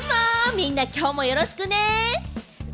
みんなきょうもよろしくね。